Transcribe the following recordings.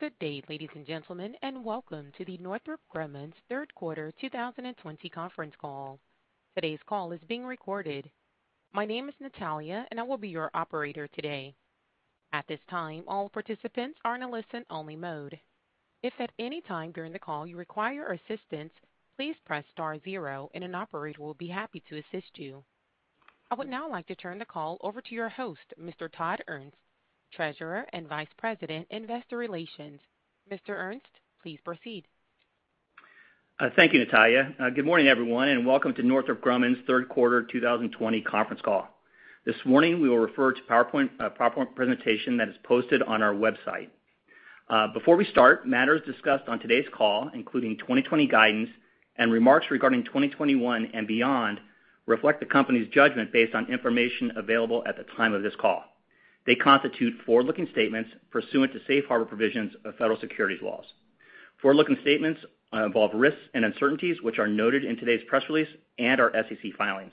Good day, ladies and gentlemen, welcome to the Northrop Grumman's third quarter 2020 conference call. Today's call is being recorded. My name is Natalia, and I will be your operator today. At this time, all participants are in a listen-only mode. If at any time during the call you require assistance, please press star zero and an operator will be happy to assist you. I would now like to turn the call over to your host, Mr. Todd Ernst, Treasurer and Vice President, Investor Relations. Mr. Ernst, please proceed. Thank you, Natalia. Good morning, everyone, and welcome to Northrop Grumman's third quarter 2020 conference call. This morning, we will refer to a PowerPoint presentation that is posted on our website. Before we start, matters discussed on today's call, including 2020 guidance and remarks regarding 2021 and beyond, reflect the company's judgment based on information available at the time of this call. They constitute forward-looking statements pursuant to safe harbor provisions of federal securities laws. Forward-looking statements involve risks and uncertainties which are noted in today's press release and our SEC filings.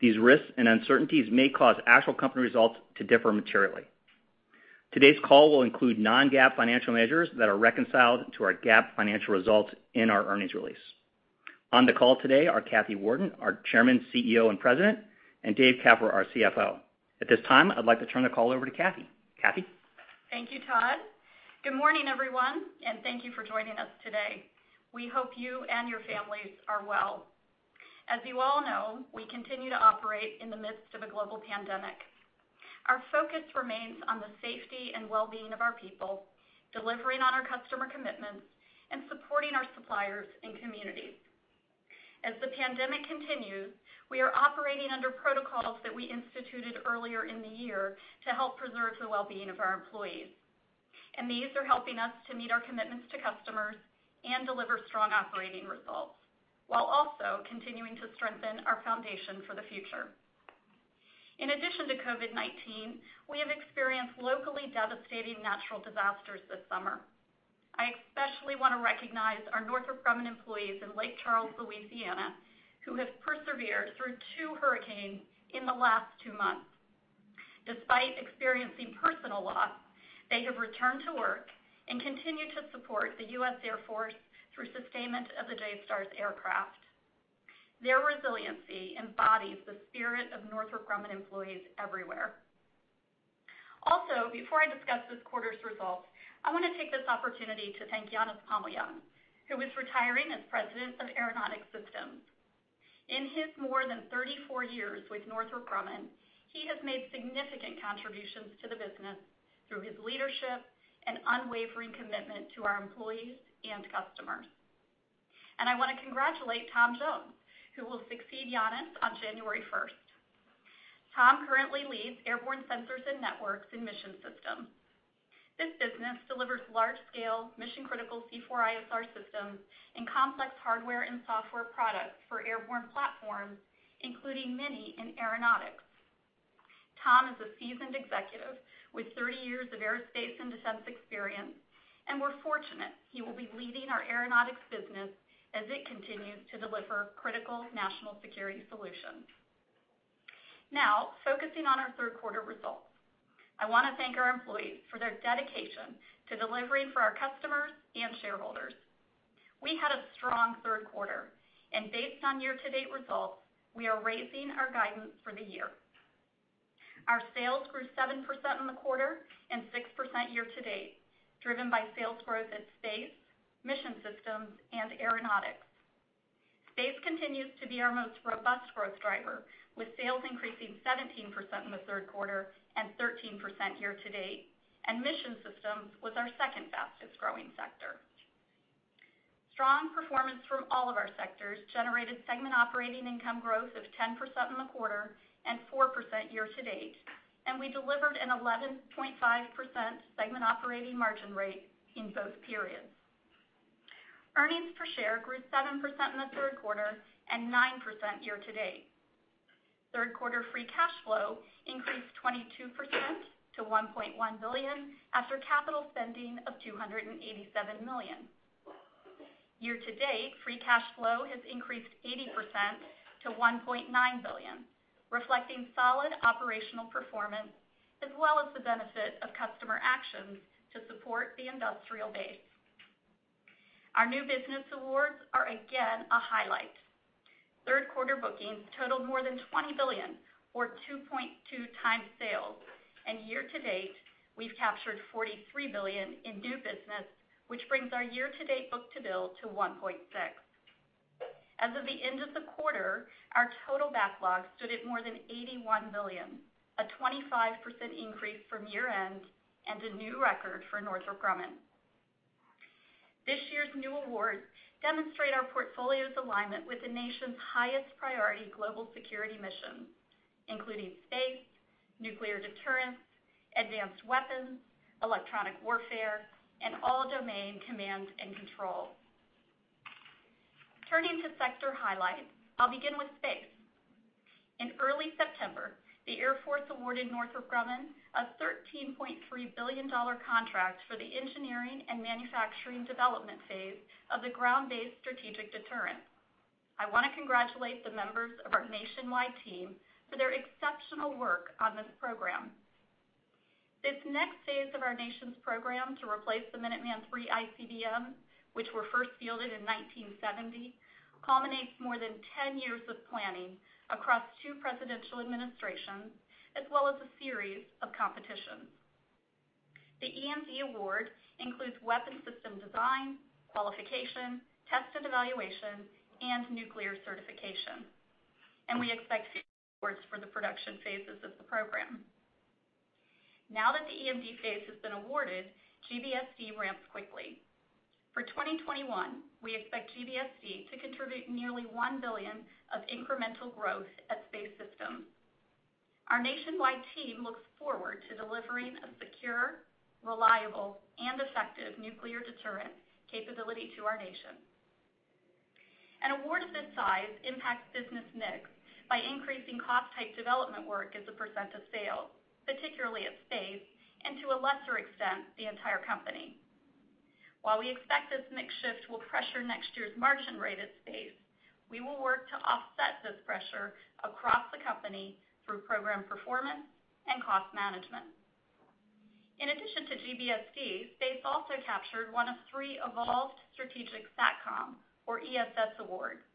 These risks and uncertainties may cause actual company results to differ materially. Today's call will include non-GAAP financial measures that are reconciled to our GAAP financial results in our earnings release. On the call today are Kathy Warden, our Chairman, CEO, and President, and Dave Keffer, our CFO. At this time, I'd like to turn the call over to Kathy. Kathy? Thank you, Todd. Good morning, everyone, and thank you for joining us today. We hope you and your families are well. As you all know, we continue to operate in the midst of a global pandemic. Our focus remains on the safety and well-being of our people, delivering on our customer commitments, and supporting our suppliers and communities. As the pandemic continues, we are operating under protocols that we instituted earlier in the year to help preserve the well-being of our employees. These are helping us to meet our commitments to customers and deliver strong operating results while also continuing to strengthen our foundation for the future. In addition to COVID-19, we have experienced locally devastating natural disasters this summer. I especially want to recognize our Northrop Grumman employees in Lake Charles, Louisiana, who have persevered through two hurricanes in the last two months. Despite experiencing personal loss, they have returned to work and continue to support the US Air Force through sustainment of the JSTARS aircraft. Their resiliency embodies the spirit of Northrop Grumman employees everywhere. Before I discuss this quarter's results, I want to take this opportunity to thank Janis Pamiljans, who is retiring as President of Aeronautics Systems. In his more than 34 years with Northrop Grumman, he has made significant contributions to the business through his leadership and unwavering commitment to our employees and customers. I want to congratulate Tom Jones, who will succeed Janis on January 1st. Tom currently leads airborne sensors and networks and Mission Systems. This business delivers large-scale mission-critical C4ISR systems and complex hardware and software products for airborne platforms, including many in aeronautics. Tom is a seasoned executive with 30 years of aerospace and defense experience, and we're fortunate he will be leading our Aeronautics business as it continues to deliver critical national security solutions. Now, focusing on our third quarter results. I want to thank our employees for their dedication to delivering for our customers and shareholders. We had a strong third quarter, and based on year-to-date results, we are raising our guidance for the year. Our sales grew 7% in the quarter and 6% year-to-date, driven by sales growth at Space Systems, Mission Systems, and Aeronautics Systems. Space Systems continues to be our most robust growth driver, with sales increasing 17% in the third quarter and 13% year-to-date, and Mission Systems was our second fastest-growing sector. Strong performance from all of our sectors generated segment operating income growth of 10% in the quarter and 4% year-to-date, and we delivered an 11.5% segment operating margin rate in both periods. Earnings per share grew 7% in the third quarter and 9% year-to-date. Third quarter free cash flow increased 22% to $1.1 billion after capital spending of $287 million. Year-to-date, free cash flow has increased 80% to $1.9 billion, reflecting solid operational performance as well as the benefit of customer actions to support the industrial base. Our new business awards are again a highlight. Third quarter bookings totaled more than $20 billion, or 2.2 times sales, and year-to-date, we've captured $43 billion in new business, which brings our year-to-date book-to-bill to 1.6. As of the end of the quarter, our total backlog stood at more than $81 billion, a 25% increase from year-end and a new record for Northrop Grumman. This year's new awards demonstrate our portfolio's alignment with the nation's highest priority global security mission, including space, nuclear deterrence, advanced weapons, electronic warfare, and all domain command and control. Turning to sector highlights, I'll begin with space. In early September, the Air Force awarded Northrop Grumman a $13.3 billion contract for the engineering and manufacturing development phase of the Ground-Based Strategic Deterrent. I want to congratulate the members of our nationwide team for their exceptional work on this program. This next phase of our nation's program to replace the Minuteman III ICBM, which were first fielded in 1970, culminates more than 10 years of planning across two presidential administrations, as well as a series of competitions. The EMD award includes weapon system design, qualification, test and evaluation, and nuclear certification. We expect awards for the production phases of the program. Now that the EMD phase has been awarded, GBSD ramps quickly. For 2021, we expect GBSD to contribute nearly $1 billion of incremental growth at Space Systems. Our nationwide team looks forward to delivering a secure, reliable, and effective nuclear deterrent capability to our nation. An award of this size impacts business mix by increasing cost type development work as a % of sales, particularly at Space, and to a lesser extent, the entire company. While we expect this mix shift will pressure next year's margin rate at Space, we will work to offset this pressure across the company through program performance and cost management. In addition to GBSD, Space also captured one of three Evolved Strategic SATCOM, or ESS awards,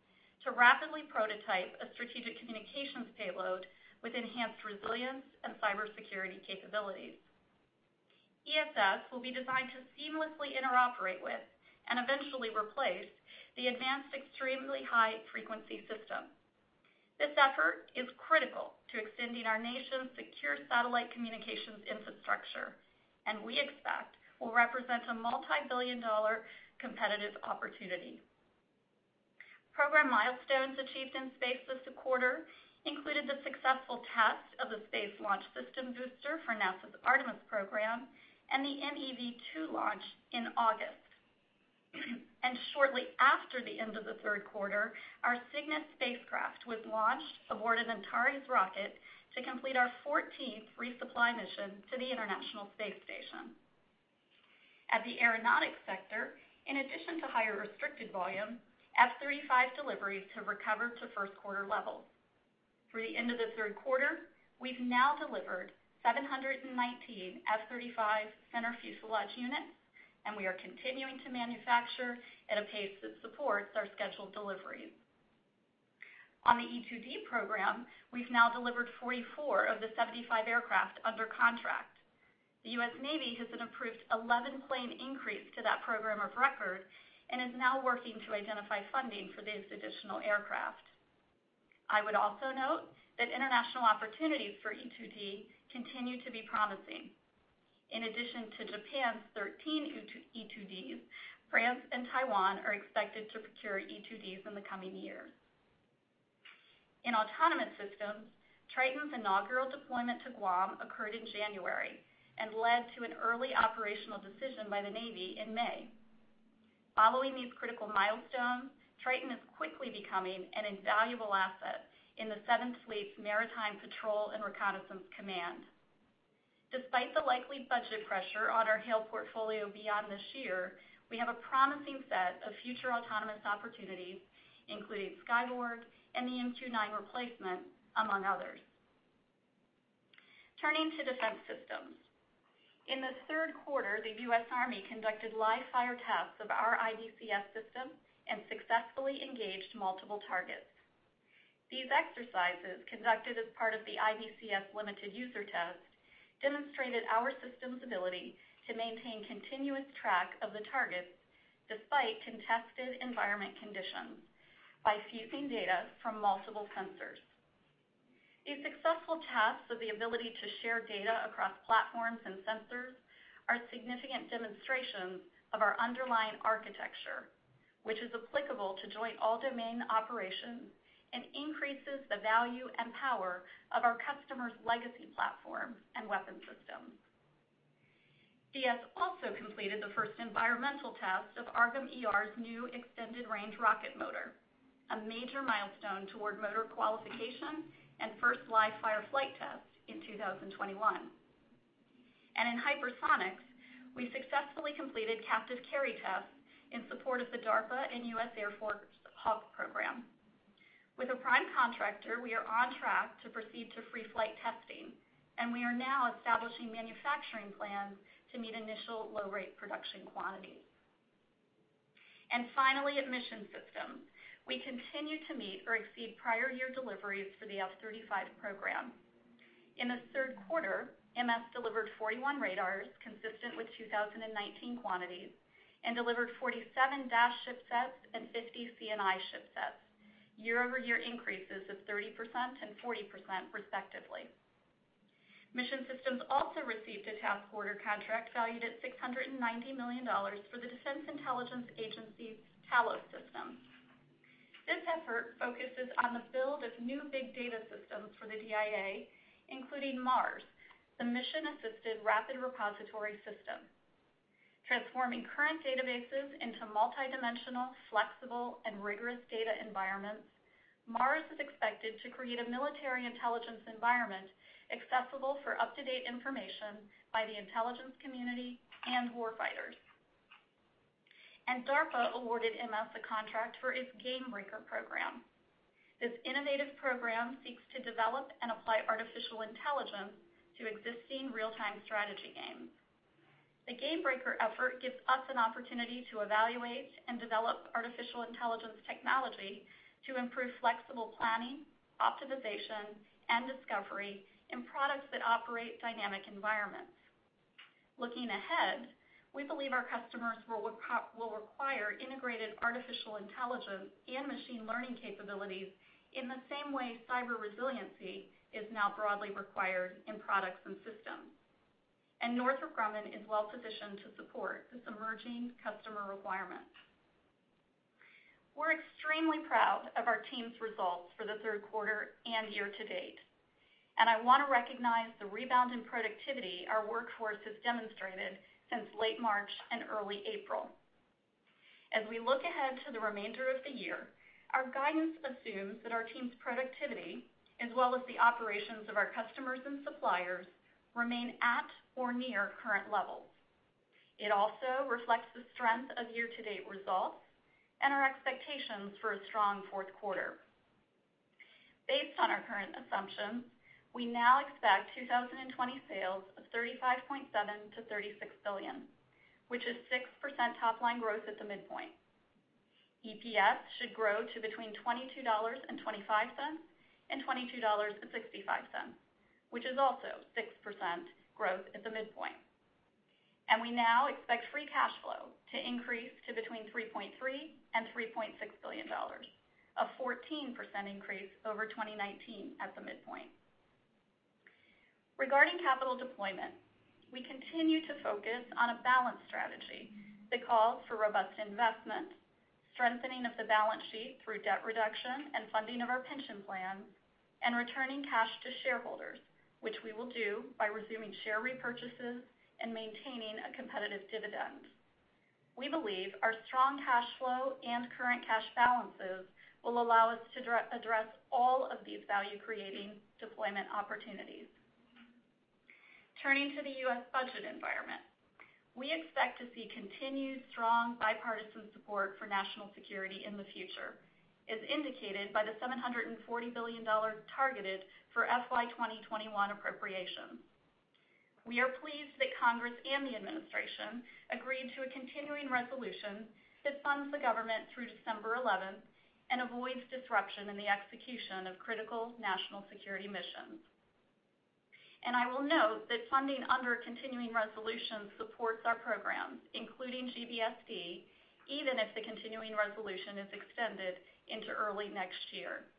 to rapidly prototype a strategic communications payload with enhanced resilience and cybersecurity capabilities. ESS will be designed to seamlessly interoperate with, and eventually replace, the Advanced Extremely High Frequency system. This effort is critical to extending our nation's secure satellite communications infrastructure, and we expect will represent a multi-billion-dollar competitive opportunity. Program milestones achieved in Space this quarter included the successful test of the Space Launch System booster for NASA's Artemis program and the MEV-2 launch in August. Shortly after the end of the third quarter, our Cygnus spacecraft was launched aboard an Antares rocket to complete our 14th resupply mission to the International Space Station. At the Aeronautics Systems sector, in addition to higher restricted volume, F-35 deliveries have recovered to first quarter levels. Through the end of the third quarter, we've now delivered 719 F-35 center fuselage units. We are continuing to manufacture at a pace that supports our scheduled deliveries. On the E-2D program, we've now delivered 44 of the 75 aircraft under contract. The U.S. Navy has an approved 11-plane increase to that program of record and is now working to identify funding for these additional aircraft. I would also note that international opportunities for E-2D continue to be promising. In addition to Japan's 13 E-2Ds, France and Taiwan are expected to procure E-2Ds in the coming years. In Autonomous Systems, Triton's inaugural deployment to Guam occurred in January and led to an early operational decision by the Navy in May. Following these critical milestones, Triton is quickly becoming an invaluable asset in the Seventh Fleet's Maritime Patrol and Reconnaissance Command. Despite the likely budget pressure on our HALE portfolio beyond this year, we have a promising set of future autonomous opportunities, including Skyborg and the MQ-9 replacement, among others. Turning to Defense Systems. In the third quarter, the U.S. Army conducted live-fire tests of our IBCS system and successfully engaged multiple targets. These exercises, conducted as part of the IBCS limited user test, demonstrated our system's ability to maintain continuous track of the targets despite contested environment conditions by fusing data from multiple sensors. These successful tests of the ability to share data across platforms and sensors are significant demonstrations of our underlying architecture, which is applicable to joint all-domain operations and increases the value and power of our customers' legacy platforms and weapon systems. DS also completed the first environmental test of AARGM-ER's new extended range rocket motor, a major milestone toward motor qualification and first live-fire flight test in 2021. In hypersonics, we successfully completed captive carry tests in support of the DARPA and US Air Force HAWC program. With a prime contractor, we are on track to proceed to free flight testing, and we are now establishing manufacturing plans to meet initial low-rate production quantities. Finally, at Mission Systems, we continue to meet or exceed prior year deliveries for the F-35 program. In the third quarter, MS delivered 41 radars consistent with 2019 quantities and delivered 47 DAS ship sets and 50 CNI ship sets, year-over-year increases of 30% and 40% respectively. Mission Systems also received a task order contract valued at $690 million for the Defense Intelligence Agency's TALOS system. This effort focuses on the build of new big data systems for the DIA, including MARS, the Machine-Assisted Rapid-Repository System. Transforming current databases into multidimensional, flexible, and rigorous data environments. MARS is expected to create a military intelligence environment accessible for up-to-date information by the intelligence community and warfighters. DARPA awarded Mission Systems a contract for its Gamebreaker program. This innovative program seeks to develop and apply artificial intelligence to existing real-time strategy games. The Gamebreaker effort gives us an opportunity to evaluate and develop artificial intelligence technology to improve flexible planning, optimization, and discovery in products that operate dynamic environments. Looking ahead, we believe our customers will require integrated artificial intelligence and machine learning capabilities in the same way cyber resiliency is now broadly required in products and systems. Northrop Grumman is well-positioned to support this emerging customer requirement. We're extremely proud of our team's results for the third quarter and year-to-date. I want to recognize the rebound in productivity our workforce has demonstrated since late March and early April. As we look ahead to the remainder of the year, our guidance assumes that our team's productivity, as well as the operations of our customers and suppliers, remain at or near current levels. It also reflects the strength of year-to-date results and our expectations for a strong fourth quarter. Based on our current assumptions, we now expect 2020 sales of $35.7 billion-$36 billion, which is 6% top-line growth at the midpoint. EPS should grow to between $22.25 and $22.65, which is also 6% growth at the midpoint. We now expect free cash flow to increase to between $3.3 billion and $3.6 billion, a 14% increase over 2019 at the midpoint. Regarding capital deployment, we continue to focus on a balanced strategy that calls for robust investment, strengthening of the balance sheet through debt reduction and funding of our pension plan, and returning cash to shareholders, which we will do by resuming share repurchases and maintaining a competitive dividend. We believe our strong cash flow and current cash balances will allow us to address all of these value-creating deployment opportunities. Turning to the U.S. budget environment. We expect to see continued strong bipartisan support for national security in the future, as indicated by the $740 billion targeted for FY 2021 appropriation. We are pleased that Congress and the administration agreed to a continuing resolution that funds the government through December 11th and avoids disruption in the execution of critical national security missions. I will note that funding under continuing resolution supports our programs, including GBSD, even if the continuing resolution is extended into early next year.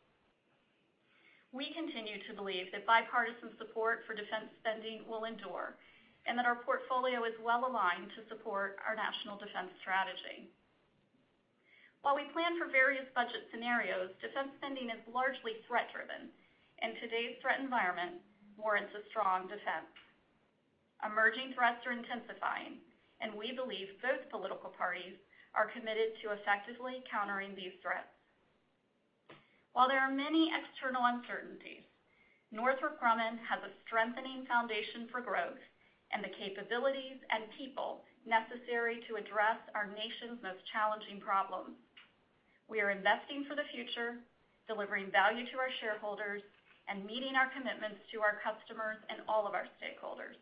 We continue to believe that bipartisan support for defense spending will endure, and that our portfolio is well-aligned to support our national defense strategy. While we plan for various budget scenarios, defense spending is largely threat-driven, and today's threat environment warrants a strong defense. Emerging threats are intensifying, and we believe both political parties are committed to effectively countering these threats. While there are many external uncertainties, Northrop Grumman has a strengthening foundation for growth and the capabilities and people necessary to address our nation's most challenging problems. We are investing for the future, delivering value to our shareholders, and meeting our commitments to our customers and all of our stakeholders.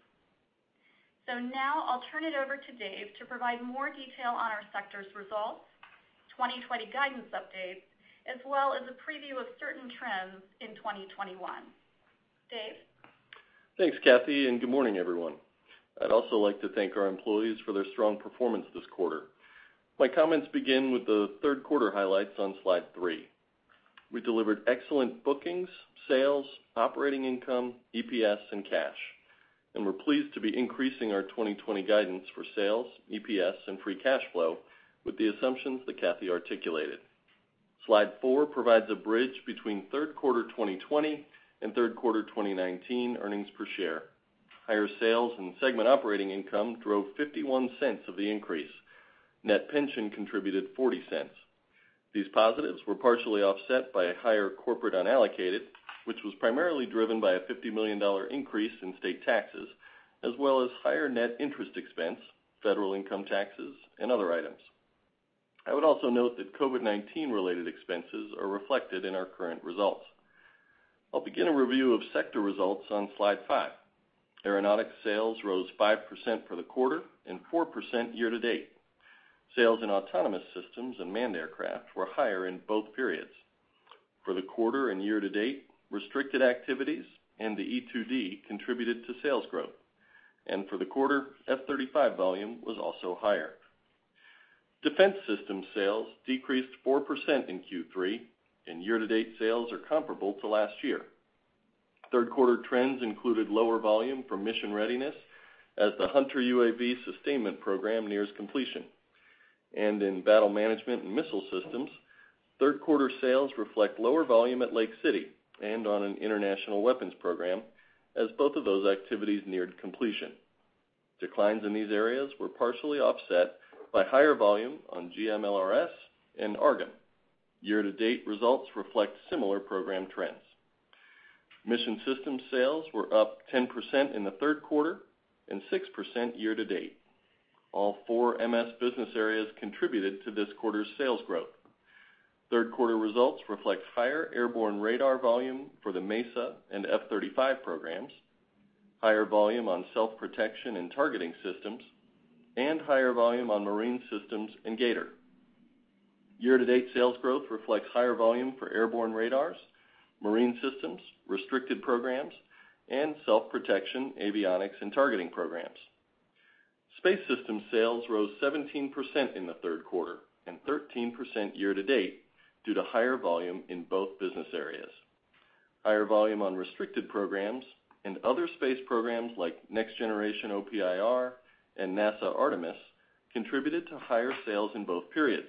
Now I'll turn it over to Dave to provide more detail on our sector's results, 2020 guidance updates, as well as a preview of certain trends in 2021. Dave? Thanks, Kathy, and good morning, everyone. I'd also like to thank our employees for their strong performance this quarter. My comments begin with the third quarter highlights on slide three. We delivered excellent bookings, sales, operating income, EPS, and cash. We're pleased to be increasing our 2020 guidance for sales, EPS, and free cash flow with the assumptions that Kathy articulated. Slide four provides a bridge between third quarter 2020 and third quarter 2019 earnings per share. Higher sales and segment operating income drove $0.51 of the increase. Net pension contributed $0.40. These positives were partially offset by a higher corporate unallocated, which was primarily driven by a $50 million increase in state taxes, as well as higher net interest expense, federal income taxes, and other items. I would also note that COVID-19-related expenses are reflected in our current results. I'll begin a review of sector results on slide five. Aeronautics sales rose 5% for the quarter and 4% year-to-date. Sales in autonomous systems and manned aircraft were higher in both periods. For the quarter and year-to-date, restricted activities and the E-2D contributed to sales growth. For the quarter, F-35 volume was also higher. Defense Systems sales decreased 4% in Q3 and year-to-date sales are comparable to last year. Third quarter trends included lower volume for mission readiness as the Hunter UAV sustainment program nears completion. In Battle Management and Missile Systems, third quarter sales reflect lower volume at Lake City and on an international weapons program as both of those activities neared completion. Declines in these areas were partially offset by higher volume on GMLRS and AARGM. Year-to-date results reflect similar program trends. Mission Systems sales were up 10% in the third quarter and 6% year-to-date. All four MS business areas contributed to this quarter's sales growth. Third quarter results reflect higher airborne radar volume for the MESA and F-35 programs, higher volume on self-protection and targeting systems, and higher volume on marine systems and G/ATOR. Year-to-date sales growth reflects higher volume for airborne radars, marine systems, restricted programs, and self-protection avionics and targeting programs. Space Systems sales rose 17% in the third quarter and 13% year-to-date due to higher volume in both business areas. Higher volume on restricted programs and other space programs like Next-Generation OPIR and NASA Artemis contributed to higher sales in both periods.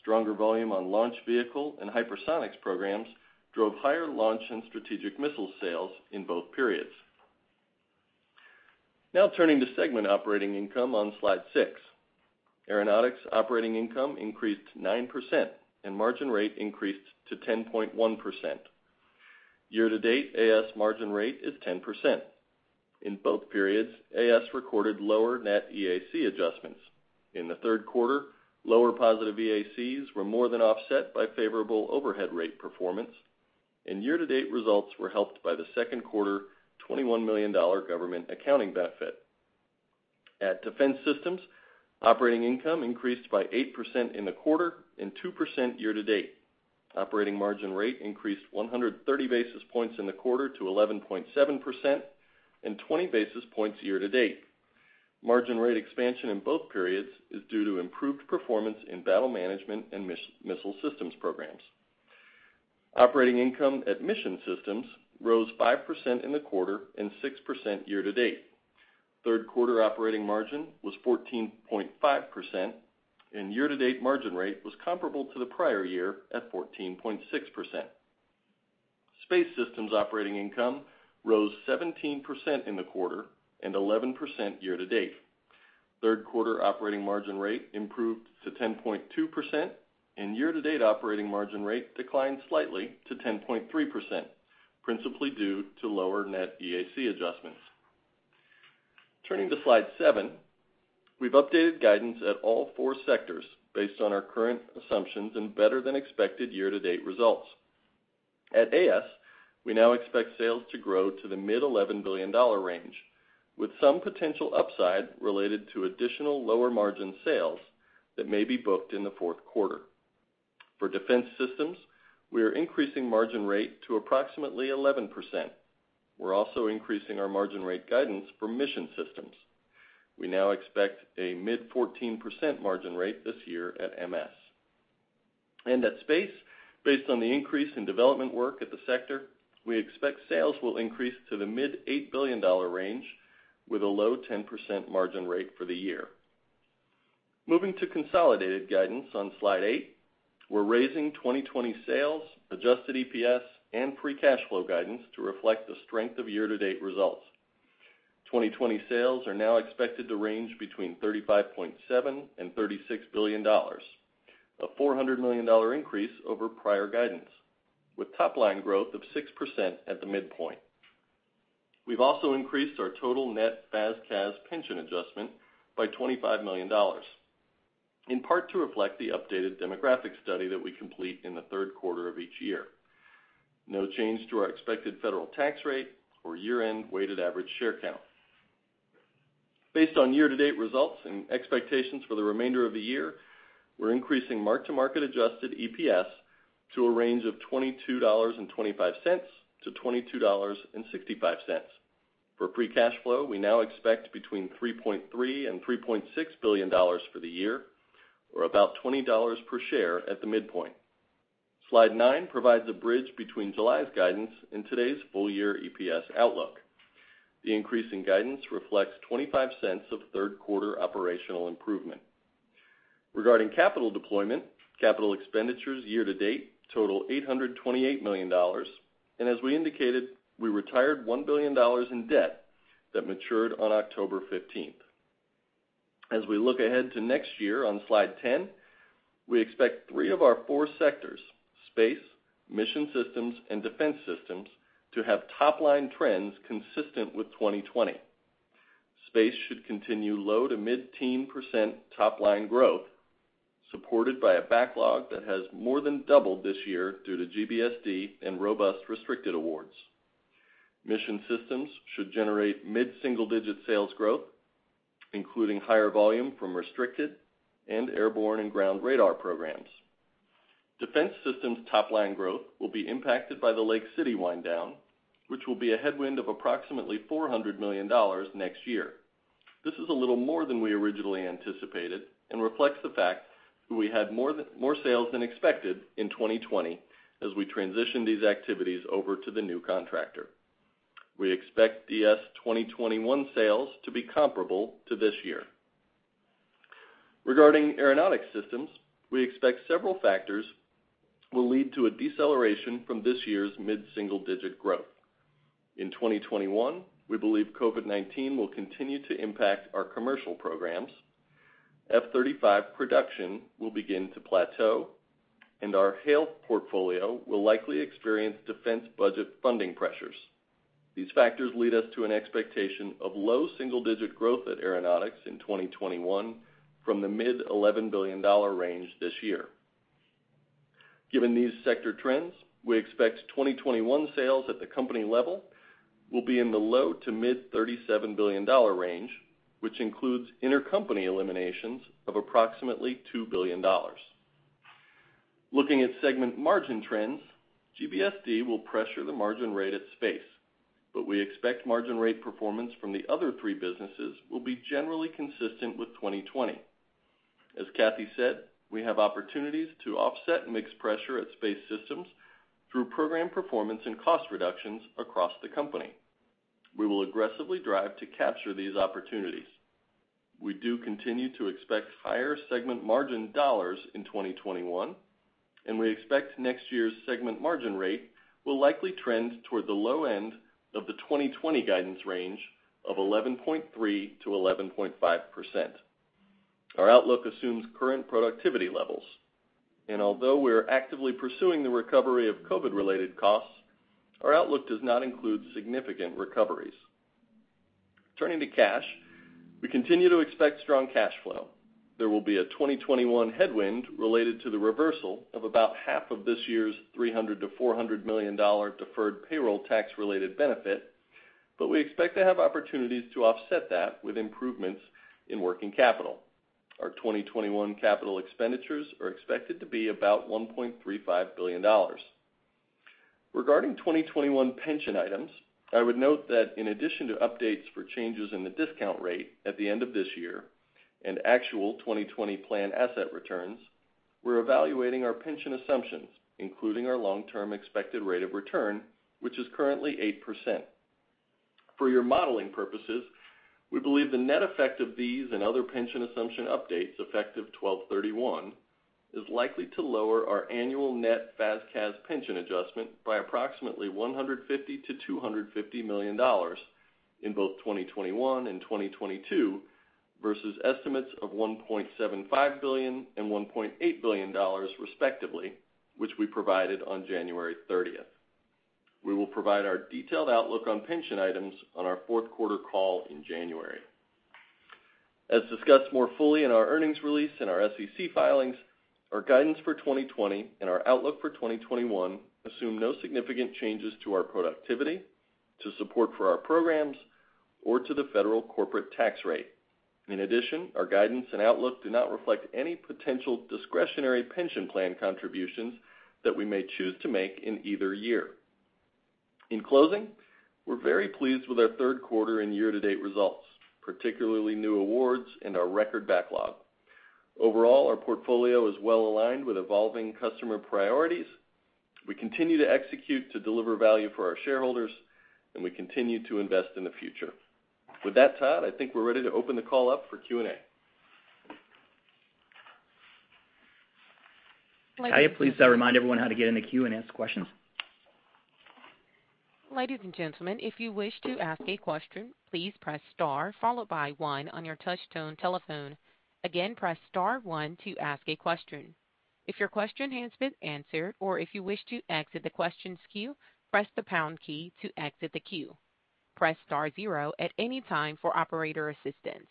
Stronger volume on launch vehicle and hypersonics programs drove higher launch and strategic missile sales in both periods. Now turning to segment operating income on slide six. Aeronautics operating income increased 9% and margin rate increased to 10.1%. Year-to-date, AS margin rate is 10%. In both periods, AS recorded lower net EAC adjustments. In the third quarter, lower positive EACs were more than offset by favorable overhead rate performance, and year-to-date results were helped by the second quarter $21 million government accounting benefit. At Defense Systems, operating income increased by 8% in the quarter and 2% year-to-date. Operating margin rate increased 130 basis points in the quarter to 11.7% and 20 basis points year-to-date. Margin rate expansion in both periods is due to improved performance in battle management and missile systems programs. Operating income at Mission Systems rose 5% in the quarter and 6% year-to-date. Third quarter operating margin was 14.5%, and year-to-date margin rate was comparable to the prior year at 14.6%. Space Systems operating income rose 17% in the quarter and 11% year-to-date. Third quarter operating margin rate improved to 10.2%, and year-to-date operating margin rate declined slightly to 10.3%, principally due to lower net EAC adjustments. Turning to slide seven, we've updated guidance at all four sectors based on our current assumptions and better-than-expected year-to-date results. At AS, we now expect sales to grow to the mid $11 billion range, with some potential upside related to additional lower-margin sales that may be booked in the fourth quarter. For Defense Systems, we are increasing margin rate to approximately 11%. We're also increasing our margin rate guidance for Mission Systems. We now expect a mid 14% margin rate this year at MS. At Space, based on the increase in development work at the sector, we expect sales will increase to the mid $8 billion range with a low 10% margin rate for the year. Moving to consolidated guidance on slide 8, we're raising 2020 sales, adjusted EPS, and free cash flow guidance to reflect the strength of year-to-date results. 2020 sales are now expected to range between $35.7 billion and $36 billion, a $400 million increase over prior guidance, with top-line growth of 6% at the midpoint. We've also increased our total net FAS/CAS pension adjustment by $25 million, in part to reflect the updated demographic study that we complete in the third quarter of each year. No change to our expected federal tax rate or year-end weighted average share count. Based on year-to-date results and expectations for the remainder of the year, we're increasing mark-to-market adjusted EPS to a range of $22.25-$22.65. For free cash flow, we now expect between $3.3 billion and $3.6 billion for the year, or about $20 per share at the midpoint. Slide nine provides a bridge between July's guidance and today's full-year EPS outlook. The increase in guidance reflects $0.25 of third quarter operational improvement. Regarding capital deployment, capital expenditures year-to-date total $828 million, and as we indicated, we retired $1 billion in debt that matured on October 15th. As we look ahead to next year on slide 10, we expect three of our four sectors, Space, Mission Systems, and Defense Systems, to have top-line trends consistent with 2020. Space should continue low- to mid-teen% top-line growth, supported by a backlog that has more than doubled this year due to GBSD and robust restricted awards. Mission Systems should generate mid-single-digit sales growth, including higher volume from restricted and airborne and ground radar programs. Defense Systems top-line growth will be impacted by the Lake City wind-down, which will be a headwind of approximately $400 million next year. This is a little more than we originally anticipated and reflects the fact we had more sales than expected in 2020 as we transition these activities over to the new contractor. We expect DS 2021 sales to be comparable to this year. Regarding Aeronautics Systems, we expect several factors will lead to a deceleration from this year's mid-single-digit growth. In 2021, we believe COVID-19 will continue to impact our commercial programs, F-35 production will begin to plateau, and our HALE portfolio will likely experience defense budget funding pressures. These factors lead us to an expectation of low double-digit growth at Aeronautics in 2021 from the mid $11 billion range this year. Given these sector trends, we expect 2021 sales at the company level will be in the low to mid $37 billion range, which includes intercompany eliminations of approximately $2 billion. Looking at segment margin trends, GBSD will pressure the margin rate at Space, but we expect margin rate performance from the other three businesses will be generally consistent with 2020. As Kathy said, we have opportunities to offset mix pressure at Space Systems through program performance and cost reductions across the company. We will aggressively drive to capture these opportunities. We do continue to expect higher segment margin dollars in 2021, and we expect next year's segment margin rate will likely trend toward the low end of the 2020 guidance range of 11.3%-11.5%. Our outlook assumes current productivity levels, and although we are actively pursuing the recovery of COVID-related costs, our outlook does not include significant recoveries. Turning to cash, we continue to expect strong cash flow. There will be a 2021 headwind related to the reversal of about half of this year's $300 million-$400 million deferred payroll tax-related benefit. We expect to have opportunities to offset that with improvements in working capital. Our 2021 capital expenditures are expected to be about $1.35 billion. Regarding 2021 pension items, I would note that in addition to updates for changes in the discount rate at the end of this year and actual 2020 plan asset returns, we're evaluating our pension assumptions, including our long-term expected rate of return, which is currently 8%. For your modeling purposes, we believe the net effect of these and other pension assumption updates effective 12/31, is likely to lower our annual net FAS/CAS pension adjustment by approximately $150 million-$250 million in both 2021 and 2022 versus estimates of $1.75 billion and $1.8 billion, respectively, which we provided on January 30th. We will provide our detailed outlook on pension items on our fourth quarter call in January. As discussed more fully in our earnings release and our SEC filings, our guidance for 2020 and our outlook for 2021 assume no significant changes to our productivity, to support for our programs, or to the federal corporate tax rate. Our guidance and outlook do not reflect any potential discretionary pension plan contributions that we may choose to make in either year. In closing, we're very pleased with our third quarter and year-to-date results, particularly new awards and our record backlog. Our portfolio is well-aligned with evolving customer priorities. We continue to execute to deliver value for our shareholders, and we continue to invest in the future. With that, Todd, I think we're ready to open the call up for Q&A. Taia, please remind everyone how to get in the queue and ask questions. Ladies and gentlemen if you wish to ask a question please press star followed by one on your touch tone telephone, again press star one to ask a question, if your question has been answered or if you wish to exit the question queue press the pound key to exit the queue. Press star zero at anytime for operator assistant.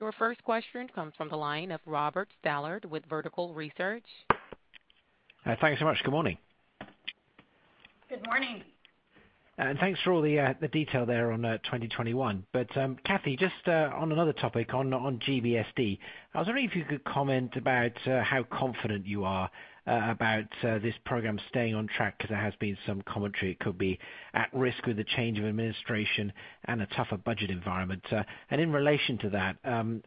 Your first question comes from the line of Robert Stallard with Vertical Research. Thanks so much. Good morning. Good morning. Thanks for all the detail there on 2021. Kathy, just on another topic on GBSD, I was wondering if you could comment about how confident you are about this program staying on track, because there has been some commentary it could be at risk with the change of administration and a tougher budget environment. In relation to that,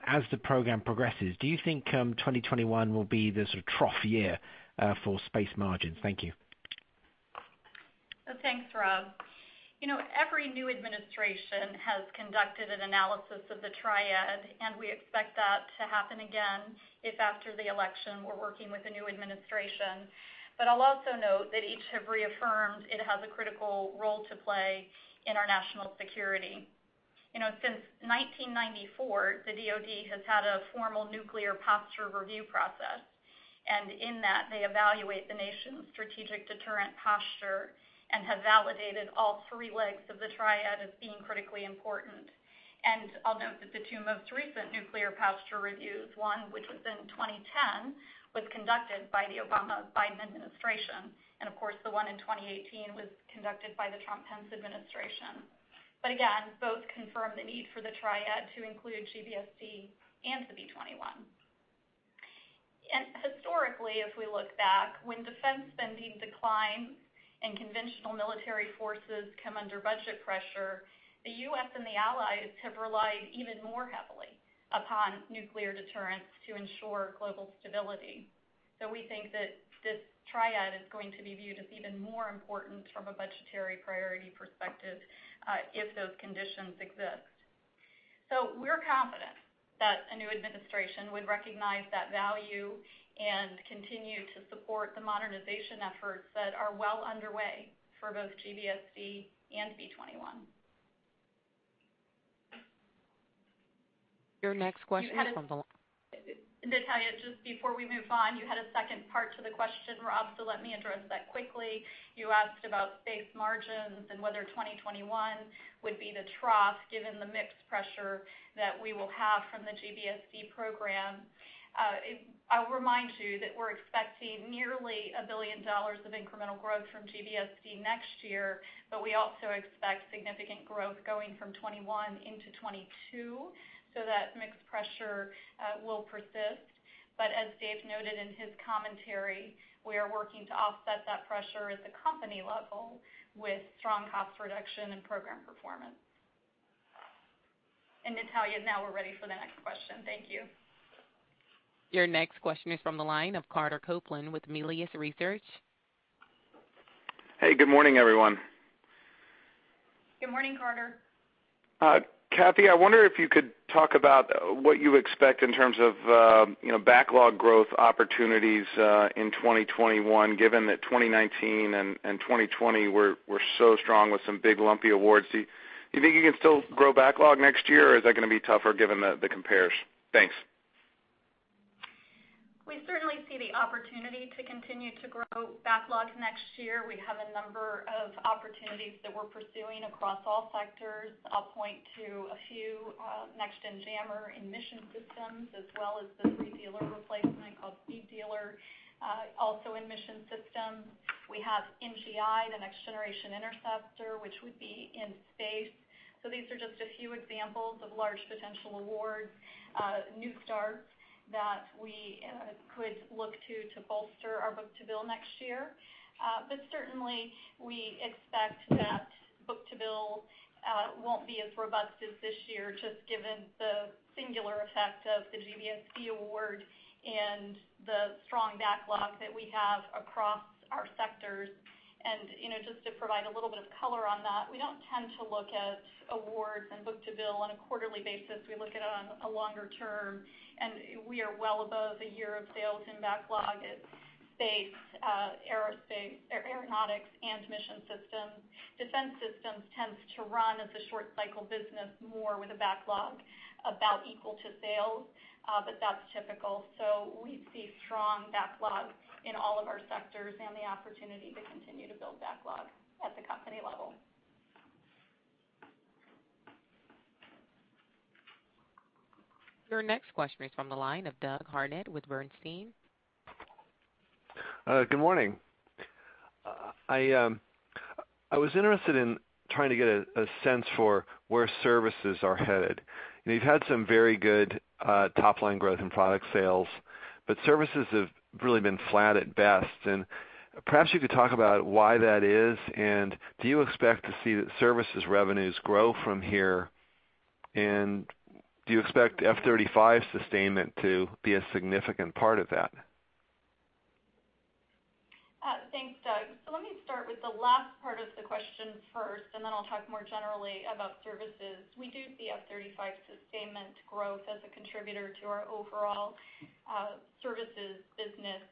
as the program progresses, do you think 2021 will be the sort of trough year for space margins? Thank you. Thanks, Rob. Every new administration has conducted an analysis of the Triad, we expect that to happen again if after the election, we're working with a new administration. I'll also note that each have reaffirmed it has a critical role to play in our national security. Since 1994, the DoD has had a formal nuclear posture review process, in that, they evaluate the nation's strategic deterrent posture and have validated all three legs of the Triad as being critically important. I'll note that the two most recent nuclear posture reviews, one which was in 2010, was conducted by the Obama-Biden administration. Of course, the one in 2018 was conducted by the Trump-Pence administration. Again, both confirmed the need for the Triad to include GBSD and the B-21. Historically, if we look back, when defense spending declines and conventional military forces come under budget pressure, the U.S. and the allies have relied even more heavily upon nuclear deterrence to ensure global stability. We think that this triad is going to be viewed as even more important from a budgetary priority perspective if those conditions exist. We're confident that a new administration would recognize that value and continue to support the modernization efforts that are well underway for both GBSD and B-21. Your next question is from the. Natalia, just before we move on, you had a second part to the question, Rob. Let me address that quickly. You asked about space margins and whether 2021 would be the trough, given the mixed pressure that we will have from the GBSD program. I'll remind you that we're expecting nearly $1 billion of incremental growth from GBSD next year, we also expect significant growth going from 2021 into 2022, that mixed pressure will persist. As Dave noted in his commentary, we are working to offset that pressure at the company level with strong cost reduction and program performance. Natalia, now we're ready for the next question. Thank you. Your next question is from the line of Carter Copeland with Melius Research. Hey, good morning, everyone. Good morning, Carter. Kathy, I wonder if you could talk about what you expect in terms of backlog growth opportunities in 2021, given that 2019 and 2020 were so strong with some big lumpy awards. Do you think you can still grow backlog next year, or is that going to be tougher given the compares? Thanks. We certainly see the opportunity to continue to grow backlog next year. We have a number of opportunities that we're pursuing across all sectors. I'll point to a few. Next Gen Jammer in Mission Systems, as well as the 3DELRR replacement called Speed Dealer, also in Mission Systems. We have NGI, the Next Generation Interceptor, which would be in space. These are just a few examples of large potential awards, new starts that we could look to to bolster our book-to-bill next year. Certainly, we expect that book-to-bill won't be as robust as this year, just given the singular effect of the GBSD award and the strong backlog that we have across our sectors. Just to provide a little bit of color on that, we don't tend to look at awards and book-to-bill on a quarterly basis. We look at it on a longer term, we are well above one year of sales in backlog at Space, Aeronautics, and Mission Systems. Defense Systems tends to run as a short cycle business more with a backlog about equal to sales, but that's typical. We see strong backlog in all of our sectors and the opportunity to continue to build backlog at the company level. Your next question is from the line of Doug Harned with Bernstein. Good morning. I was interested in trying to get a sense for where services are headed. You've had some very good top-line growth in product sales, but services have really been flat at best. Perhaps you could talk about why that is, and do you expect to see the services revenues grow from here? Do you expect F-35 sustainment to be a significant part of that? Thanks, Doug. Let me start with the last part of the question first, and then I'll talk more generally about services. We do see F-35 sustainment growth as a contributor to our overall services business.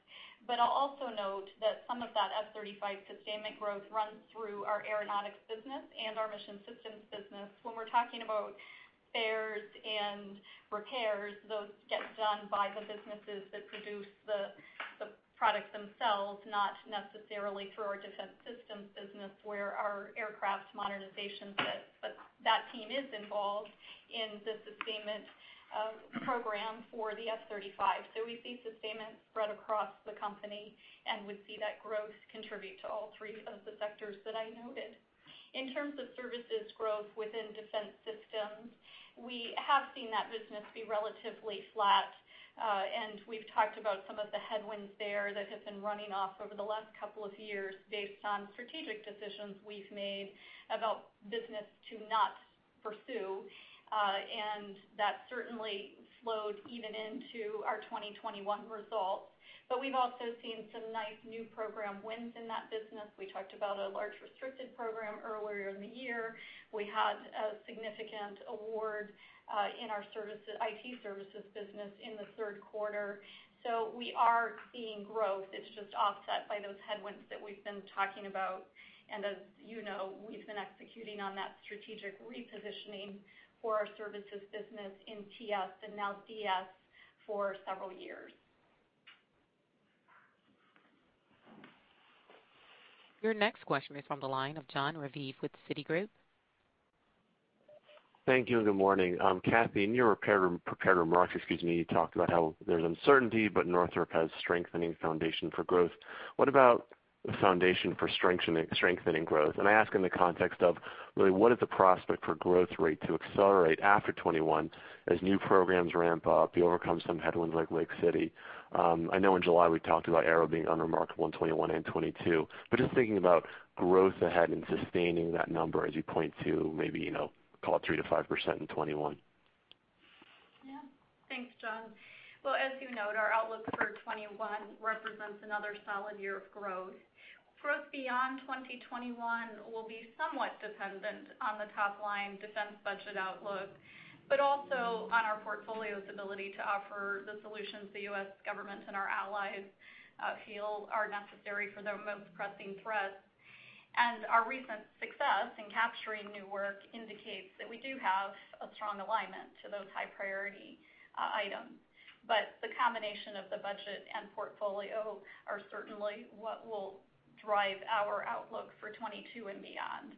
I'll also note that some of that F-35 sustainment growth runs through our Aeronautics Systems business and our Mission Systems business. When we're talking about spares and repairs, those get done by the businesses that produce the products themselves, not necessarily through our Defense Systems business where our aircraft modernization sits. That team is involved in the sustainment program for the F-35. We see sustainment spread across the company and would see that growth contribute to all three of the sectors that I noted. In terms of services growth within Defense Systems, we have seen that business be relatively flat. We've talked about some of the headwinds there that have been running off over the last couple of years based on strategic decisions we've made about business to not pursue. That certainly slowed even into our 2021 results. We've also seen some nice new program wins in that business. We talked about a large restricted program earlier in the year. We had a significant award in our IT services business in the third quarter. We are seeing growth. It's just offset by those headwinds that we've been talking about. As you know, we've been executing on that strategic repositioning for our services business in TS and now DS for several years. Your next question is from the line of Jon Raviv with Citigroup. Thank you. Good morning. Kathy, in your prepared remarks, you talked about how there's uncertainty, but Northrop has strengthening foundation for growth. What about the foundation for strengthening growth? I ask in the context of really what is the prospect for growth rate to accelerate after 2021 as new programs ramp up, you overcome some headwinds like Lake City. I know in July, we talked about Aero being unremarkable in 2021 and 2022. Just thinking about growth ahead and sustaining that number as you point to maybe call it 3%-5% in 2021. Well, as you note, our outlook for 2021 represents another solid year of growth. Growth beyond 2021 will be somewhat dependent on the top-line defense budget outlook, but also on our portfolio's ability to offer the solutions the U.S. government and our allies feel are necessary for their most pressing threats. Our recent success in capturing new work indicates that we do have a strong alignment to those high-priority items. The combination of the budget and portfolio are certainly what will drive our outlook for 2022 and beyond.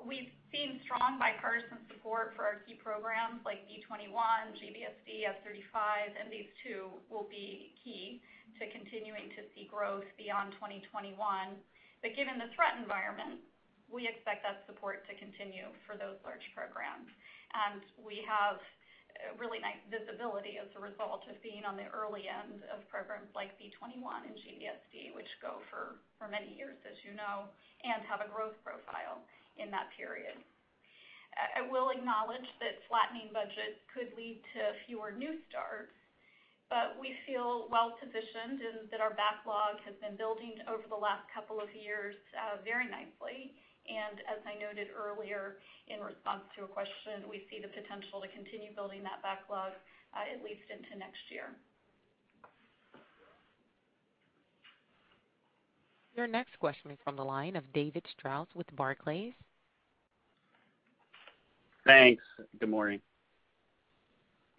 We've seen strong bipartisan support for our key programs like B-21, GBSD, F-35, and these two will be key to continuing to see growth beyond 2021. Given the threat environment, we expect that support to continue for those large programs. We have really nice visibility as a result of being on the early end of programs like B-21 and GBSD, which go for many years, you know, and have a growth profile in that period. I will acknowledge that flattening budgets could lead to fewer new starts, but we feel well-positioned in that our backlog has been building over the last couple of years very nicely. As I noted earlier in response to a question, we see the potential to continue building that backlog, at least into next year. Your next question is from the line of David Strauss with Barclays. Thanks. Good morning.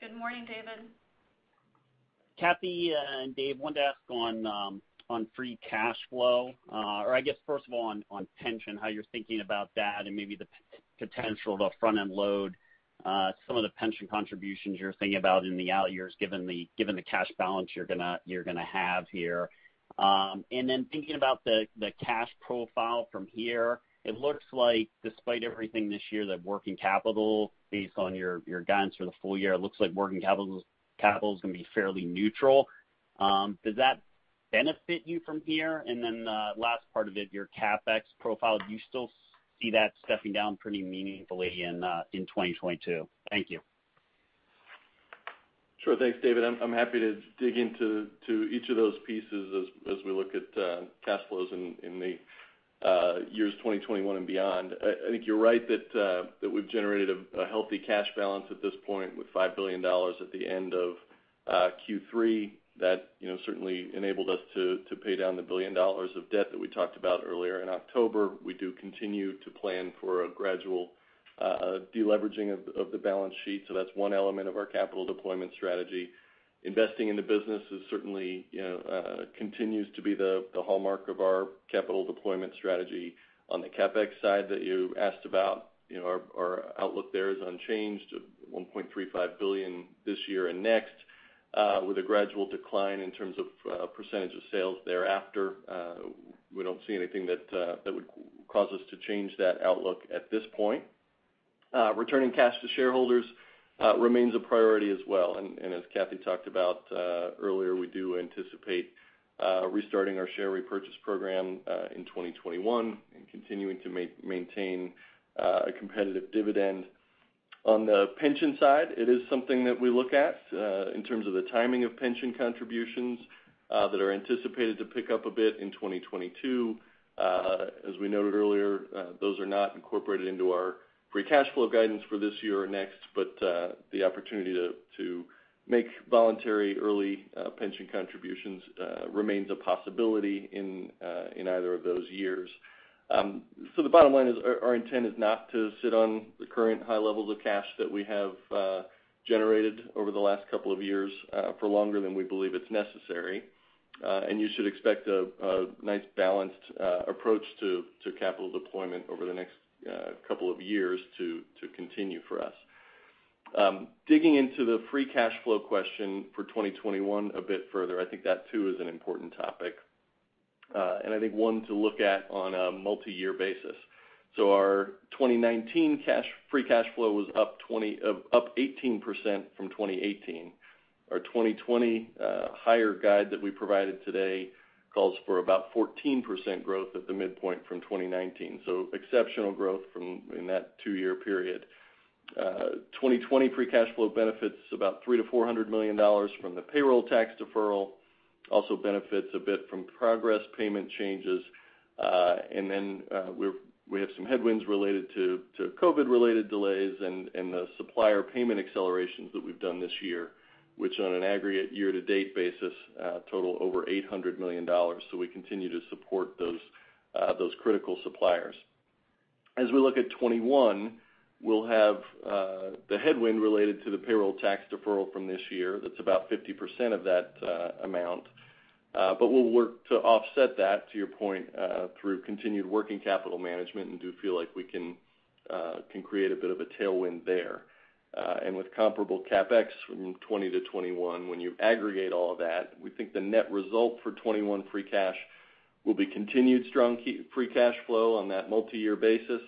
Good morning, David. Kathy and Dave, wanted to ask on free cash flow, or I guess first of all on pension, how you're thinking about that and maybe the potential to front-end load some of the pension contributions you're thinking about in the out years, given the cash balance you're gonna have here. Thinking about the cash profile from here, it looks like despite everything this year, that working capital, based on your guidance for the full year, it looks like working capital's gonna be fairly neutral. Does that benefit you from here? The last part of it, your CapEx profile, do you still see that stepping down pretty meaningfully in 2022? Thank you. Sure. Thanks, David. I'm happy to dig into each of those pieces as we look at cash flows in the years 2021 and beyond. I think you're right that we've generated a healthy cash balance at this point with $5 billion at the end of Q3. That certainly enabled us to pay down the $1 billion of debt that we talked about earlier in October. We do continue to plan for a gradual de-leveraging of the balance sheet. That's one element of our capital deployment strategy. Investing in the business certainly continues to be the hallmark of our capital deployment strategy. On the CapEx side that you asked about, our outlook there is unchanged at $1.35 billion this year and next, with a gradual decline in terms of % of sales thereafter. We don't see anything that would cause us to change that outlook at this point. Returning cash to shareholders remains a priority as well. As Kathy talked about earlier, we do anticipate restarting our share repurchase program in 2021 and continuing to maintain a competitive dividend. On the pension side, it is something that we look at in terms of the timing of pension contributions that are anticipated to pick up a bit in 2022. As we noted earlier, those are not incorporated into our free cash flow guidance for this year or next, but the opportunity to make voluntary early pension contributions remains a possibility in either of those years. The bottom line is, our intent is not to sit on the current high levels of cash that we have generated over the last couple of years for longer than we believe it's necessary. You should expect a nice balanced approach to capital deployment over the next couple of years to continue for us. Digging into the free cash flow question for 2021 a bit further, I think that too is an important topic. I think one to look at on a multi-year basis. Our 2019 free cash flow was up 18% from 2018. Our 2020 higher guide that we provided today calls for about 14% growth at the midpoint from 2019. Exceptional growth in that two-year period. 2020 free cash flow benefits about $300 million-$400 million from the payroll tax deferral. Also benefits a bit from progress payment changes. We have some headwinds related to COVID-related delays and the supplier payment accelerations that we've done this year, which on an aggregate year-to-date basis, total over $800 million. We continue to support those critical suppliers. As we look at 2021, we'll have the headwind related to the payroll tax deferral from this year. That's about 50% of that amount. We'll work to offset that, to your point, through continued working capital management and do feel like we can create a bit of a tailwind there. With comparable CapEx from 2020 to 2021, when you aggregate all that, we think the net result for 2021 free cash will be continued strong free cash flow on that multi-year basis,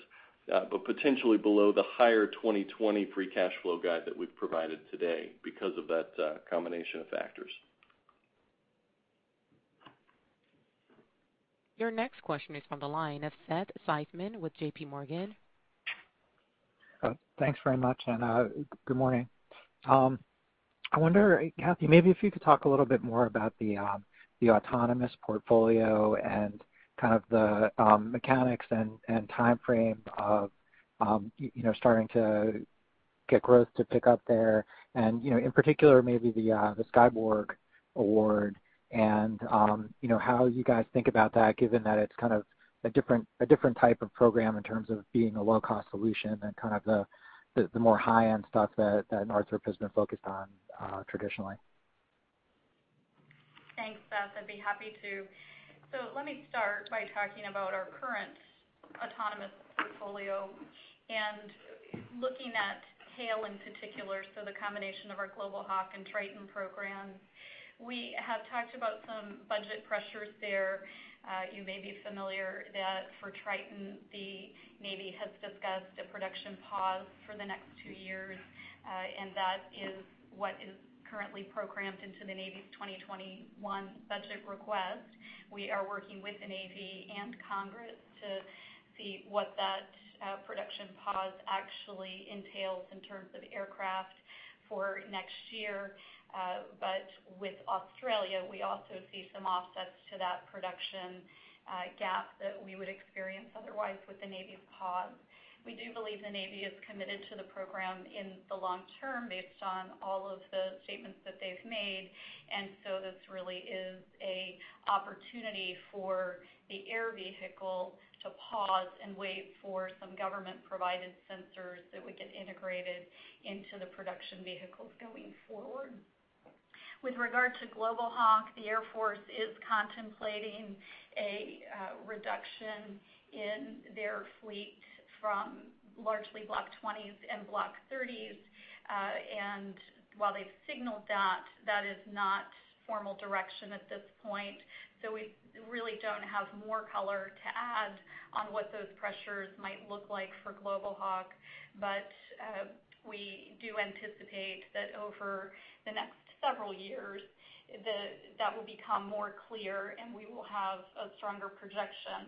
but potentially below the higher 2020 free cash flow guide that we've provided today because of that combination of factors. Your next question is from the line of Seth Seifman with JPMorgan. Thanks very much, and good morning. I wonder, Kathy, maybe if you could talk a little bit more about the autonomous portfolio and kind of the mechanics and timeframe of starting to get growth to pick up there and, in particular maybe the Skyborg award and how you guys think about that, given that it's kind of a different type of program in terms of being a low-cost solution than kind of the more high-end stuff that Northrop has been focused on traditionally. Thanks, Seth. I'd be happy to. Let me start by talking about our current autonomous portfolio and looking at HALE in particular, the combination of our Global Hawk and Triton program. We have talked about some budget pressures there. You may be familiar that for Triton, the Navy has discussed a production pause for the next two years, and that is what is currently programmed into the Navy's 2021 budget request. We are working with the Navy and Congress to see what that production pause actually entails in terms of aircraft for next year. With Australia, we also see some offsets to that production gap that we would experience otherwise with the Navy pause. We do believe the Navy is committed to the program in the long term, based on all of the statements that they've made, and so this really is a opportunity for the air vehicle to pause and wait for some government-provided sensors that would get integrated into the production vehicles going forward. With regard to Global Hawk, the Air Force is contemplating a reduction in their fleet from largely block 20s and block 30s. While they've signaled that is not formal direction at this point, so we really don't have more color to add on what those pressures might look like for Global Hawk. We do anticipate that over the next several years, that will become more clear, and we will have a stronger projection.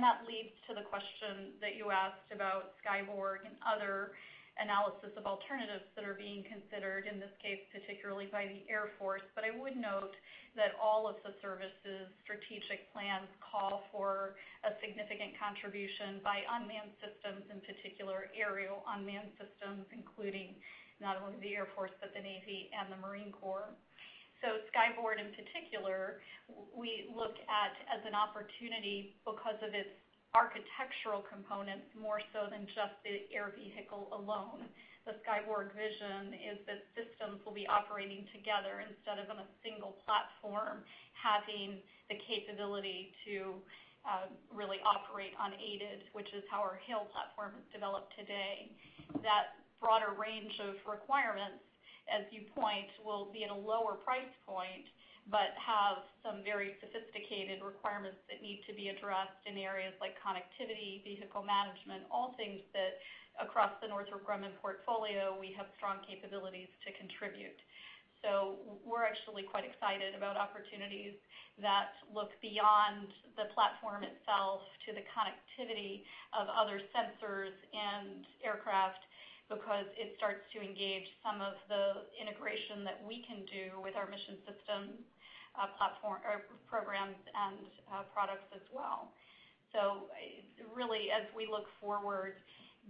That leads to the question that you asked about Skyborg and other analysis of alternatives that are being considered, in this case, particularly by the Air Force. I would note that all of the services' strategic plans call for a significant contribution by unmanned systems, in particular aerial unmanned systems, including not only the Air Force, but the Navy and the Marine Corps. Skyborg in particular, we look at as an opportunity because of its architectural components more so than just the air vehicle alone. The Skyborg vision is that systems will be operating together instead of on a single platform, having the capability to really operate unaided, which is how our HALE platform is developed today. That broader range of requirements, as you point, will be at a lower price point, but have some very sophisticated requirements that need to be addressed in areas like connectivity, vehicle management, all things that across the Northrop Grumman portfolio, we have strong capabilities to contribute. We're actually quite excited about opportunities that look beyond the platform itself to the connectivity of other sensors and aircraft, because it starts to engage some of the integration that we can do with our Mission Systems, programs, and products as well. Really, as we look forward,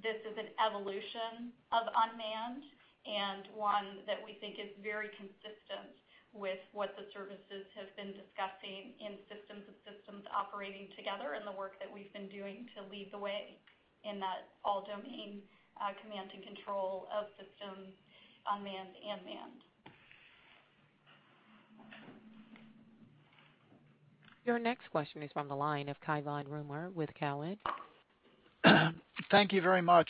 this is an evolution of unmanned and one that we think is very consistent with what the services have been discussing in systems of systems operating together and the work that we've been doing to lead the way in that all domain command and control of systems, unmanned and manned. Your next question is from the line of Cai von Rumohr with Cowen. Thank you very much.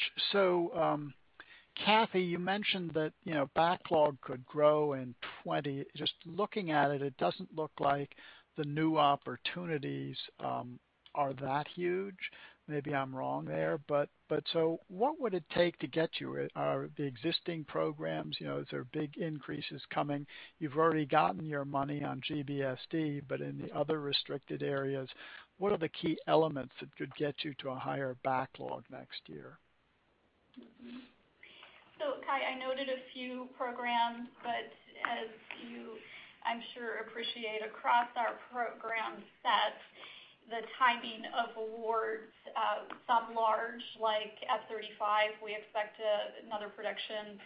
Kathy, you mentioned that backlog could grow in 2020. Just looking at it doesn't look like the new opportunities are that huge. Maybe I'm wrong there. Are the existing programs, is there big increases coming? You've already gotten your money on GBSD. In the other restricted areas, what are the key elements that could get you to a higher backlog next year? Cai, I noted a few programs, but as you, I'm sure, appreciate, across our program set, the timing of awards, some large, like F-35, we expect another production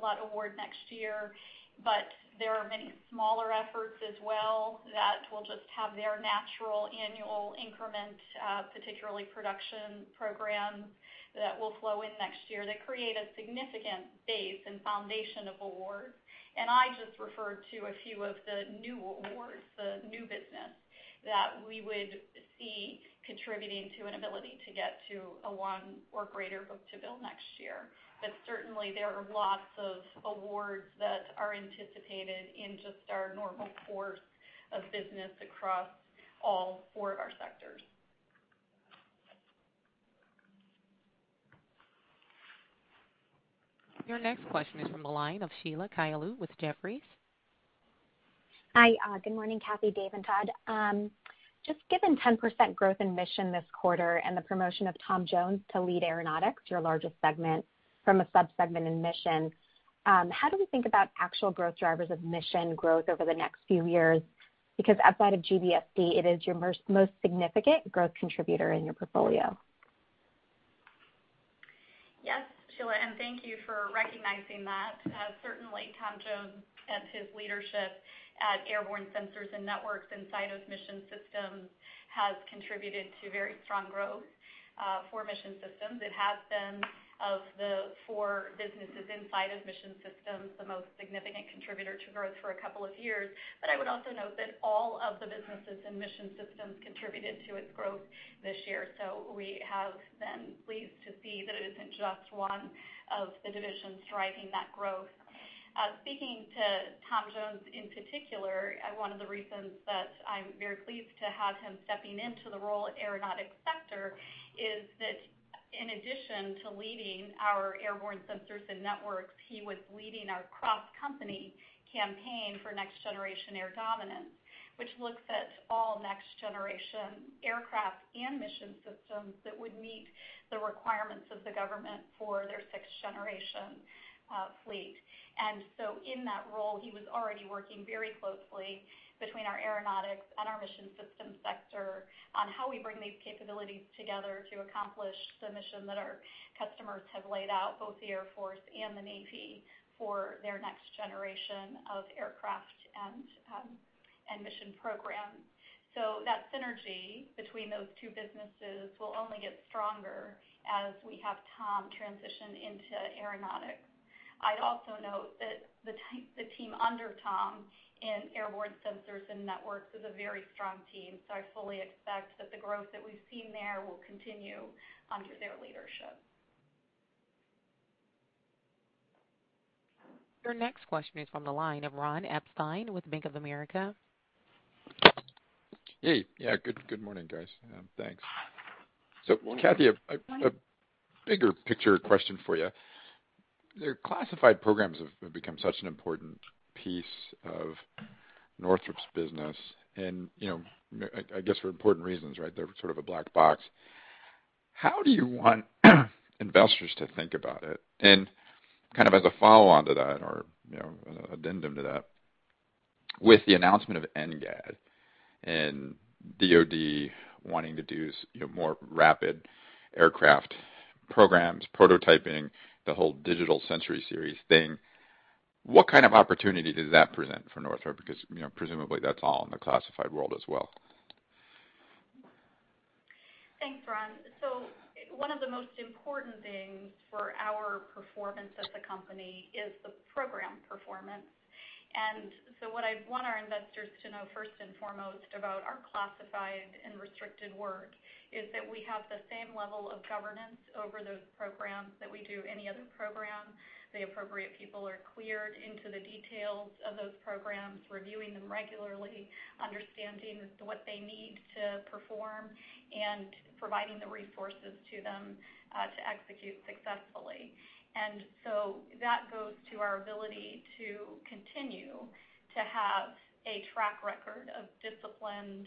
lot award next year. There are many smaller efforts as well that will just have their natural annual increment, particularly production programs that will flow in next year that create a significant base and foundation of awards. I just referred to a few of the new awards, the new business that we would see contributing to an ability to get to a one or greater book-to-bill next year. Certainly, there are lots of awards that are anticipated in just our normal course of business across all four of our sectors. Your next question is from the line of Sheila Kahyaoglu with Jefferies. Hi. Good morning, Kathy, Dave, and Todd. Just given 10% growth in Mission this quarter and the promotion of Tom Jones to lead Aeronautics, your largest segment from a sub-segment in Mission, how do we think about actual growth drivers of Mission growth over the next few years? Outside of GBSD, it is your most significant growth contributor in your portfolio. Yes, Sheila, thank you for recognizing that. Certainly, Tom Jones and his leadership at airborne sensors and networks inside of Mission Systems has contributed to very strong growth for Mission Systems. It has been, of the four businesses inside of Mission Systems, the most significant contributor to growth for a couple of years. I would also note that all of the businesses in Mission Systems contributed to its growth this year. We have been pleased to see that it isn't just one of the divisions driving that growth. Speaking to Tom Jones in particular, one of the reasons that I'm very pleased to have him stepping into the role at Aeronautics Systems is that in addition to leading our airborne sensors and networks, he was leading our cross-company campaign for Next Generation Air Dominance, which looks at all next generation aircraft and Mission Systems that would meet the requirements of the government for their sixth generation fleet. In that role, he was already working very closely between our Aeronautics Systems and our Mission Systems on how we bring these capabilities together to accomplish the mission that our customers have laid out, both the U.S. Air Force and the U.S. Navy, for their next generation of aircraft and mission programs. That synergy between those two businesses will only get stronger as we have Tom transition into Aeronautics Systems. I'd also note that the team under Tom in airborne sensors and networks is a very strong team, so I fully expect that the growth that we've seen there will continue under their leadership. Your next question is from the line of Ron Epstein with Bank of America. Hey. Yeah. Good morning, guys. Thanks. Kathy, a bigger picture question for you. Your classified programs have become such an important piece of Northrop's business and I guess for important reasons, right? They're sort of a black box. How do you want investors to think about it? Kind of as a follow-on to that or addendum to that, with the announcement of NGAD and DoD wanting to do more rapid aircraft programs, prototyping the whole Digital Century Series thing, what kind of opportunity does that present for Northrop? Because presumably that's all in the classified world as well. Thanks, Ron. One of the most important things for our performance as a company is the program performance. What I'd want our investors to know first and foremost about our classified and restricted work is that we have the same level of governance over those programs that we do any other program. The appropriate people are cleared into the details of those programs, reviewing them regularly, understanding what they need to perform, and providing the resources to them, to execute successfully. That goes to our ability to continue to have a track record of disciplined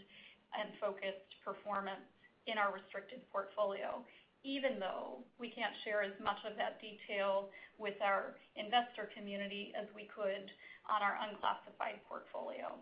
and focused performance in our restricted portfolio, even though we can't share as much of that detail with our investor community as we could on our unclassified portfolio.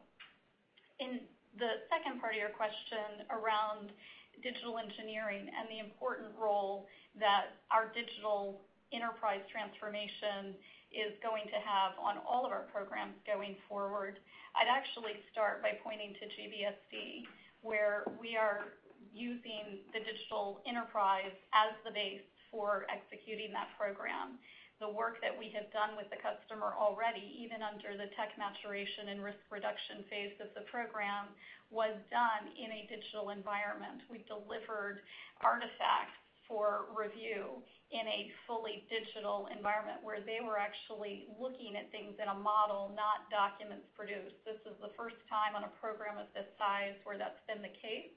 In the second part of your question around digital engineering and the important role that our digital enterprise transformation is going to have on all of our programs going forward, I'd actually start by pointing to GBSD, where we are using the digital enterprise as the base for executing that program. The work that we have done with the customer already, even under the tech maturation and risk reduction phase of the program, was done in a digital environment. We delivered artifacts for review in a fully digital environment where they were actually looking at things in a model, not documents produced. This is the first time on a program of this size where that's been the case,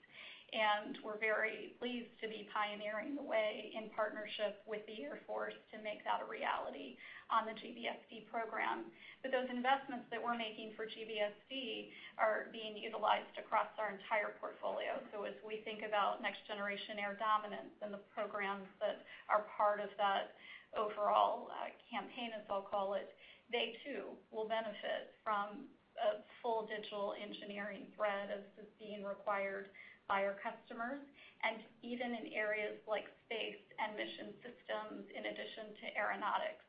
and we're very pleased to be pioneering the way in partnership with the Air Force to make that a reality on the GBSD program. Those investments that we're making for GBSD are being utilized across our entire portfolio. As we think about Next Generation Air Dominance and the programs that are part of that overall campaign, as I'll call it, they too will benefit from a full digital engineering thread as is being required by our customers. Even in areas like Space and Mission Systems, in addition to Aeronautics,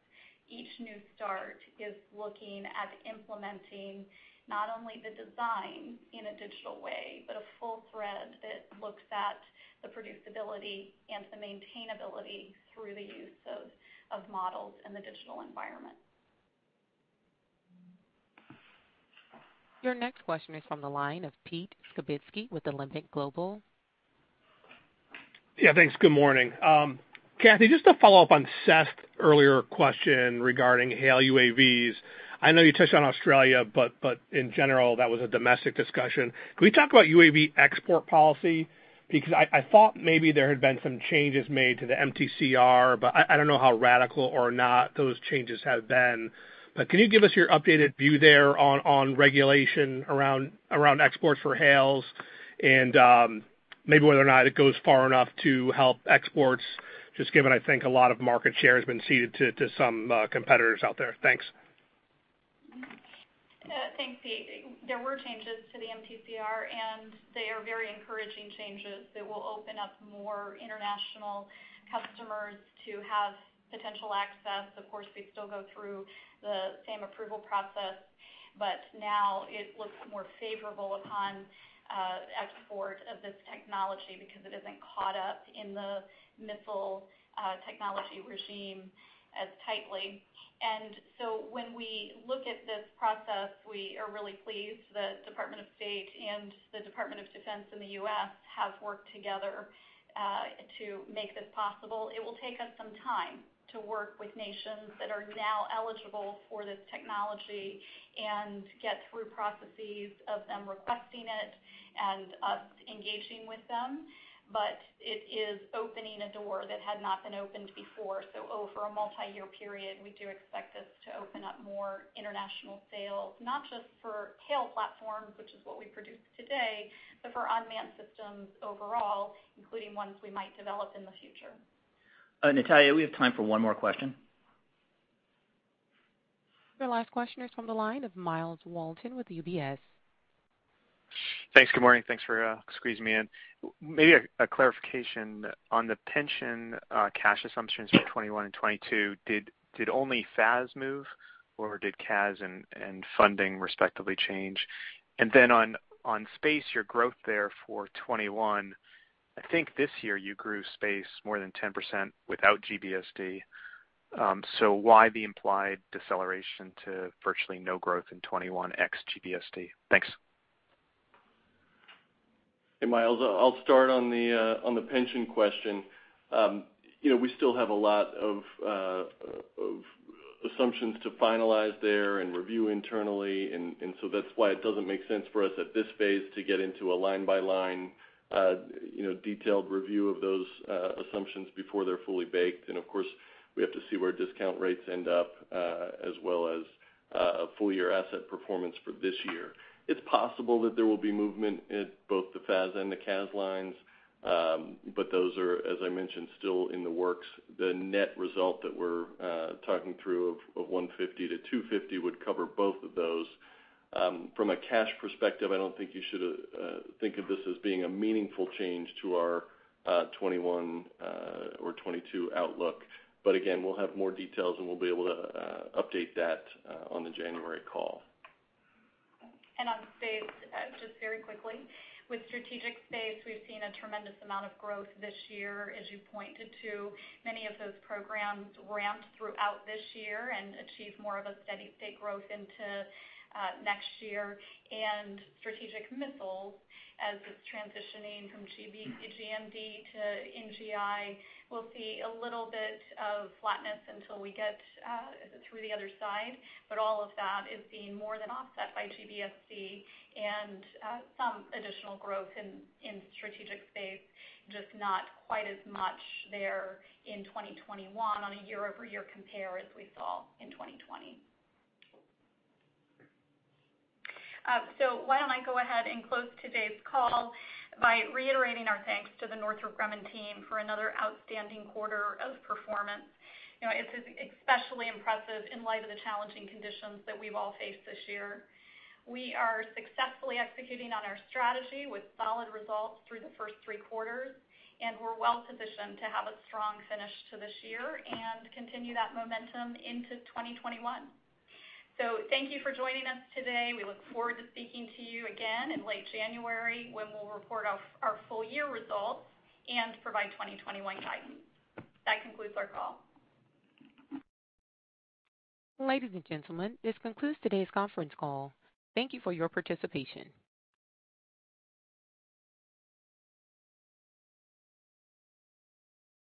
each new start is looking at implementing not only the design in a digital way, but a full thread that looks at the producibility and the maintainability through the use of models in the digital environment. Your next question is from the line of Pete Skibitski with Alembic Global Advisors. Yeah, thanks. Good morning. Kathy, just to follow up on Seth's earlier question regarding HALE UAVs. I know you touched on Australia, in general, that was a domestic discussion. Can we talk about UAV export policy? I thought maybe there had been some changes made to the MTCR, I don't know how radical or not those changes have been. Can you give us your updated view there on regulation around exports for HALEs and maybe whether or not it goes far enough to help exports, just given, I think, a lot of market share has been ceded to some competitors out there. Thanks. Yeah. Thanks, Pete. There were changes to the MTCR, and they are very encouraging changes that will open up more international customers to have potential access. Of course, they still go through the same approval process, but now it looks more favorable upon export of this technology because it isn't caught up in the missile technology regime as tightly. When we look at this process, we are really pleased the Department of State and the Department of Defense in the U.S. have worked together to make this possible. It will take us some time to work with nations that are now eligible for this technology and get through processes of them requesting it and us engaging with them. It is opening a door that had not been opened before. Over a multi-year period, we do expect this to open up more international sales, not just for HALE platforms, which is what we produce today, but for unmanned systems overall, including ones we might develop in the future. Natalia, we have time for one more question. Your last question is from the line of Myles Walton with UBS. Thanks. Good morning. Thanks for squeezing me in. Maybe a clarification on the pension cash assumptions for 2021 and 2022. Did only FAS move or did CAS and funding respectively change? On space, your growth there for 2021, I think this year you grew space more than 10% without GBSD. Why the implied deceleration to virtually no growth in 2021 ex GBSD? Thanks. Hey, Myles. I'll start on the pension question. We still have a lot of assumptions to finalize there and review internally, that's why it doesn't make sense for us at this phase to get into a line-by-line, detailed review of those assumptions before they're fully baked. Of course, we have to see where discount rates end up, as well as full year asset performance for this year. It's possible that there will be movement in both the FAS and the CAS lines. Those are, as I mentioned, still in the works. The net result that we're talking through of $150-$250 would cover both of those. From a cash perspective, I don't think you should think of this as being a meaningful change to our 2021 or 2022 outlook. Again, we'll have more details, and we'll be able to update that on the January call. On space, just very quickly, with Strategic Space, we've seen a tremendous amount of growth this year. As you pointed to, many of those programs ramped throughout this year and achieve more of a steady state growth into next year. Strategic Missiles, as it's transitioning from GMD to NGI, will see a little bit of flatness until we get through the other side. All of that is being more than offset by GBSD and some additional growth in Strategic Space, just not quite as much there in 2021 on a year-over-year compare as we saw in 2020. Why don't I go ahead and close today's call by reiterating our thanks to the Northrop Grumman team for another outstanding quarter of performance. It's especially impressive in light of the challenging conditions that we've all faced this year. We are successfully executing on our strategy with solid results through the first three quarters, and we're well-positioned to have a strong finish to this year and continue that momentum into 2021. Thank you for joining us today. We look forward to speaking to you again in late January when we'll report our full-year results and provide 2021 guidance. That concludes our call. Ladies and gentlemen, this concludes today's conference call. Thank you for your participation.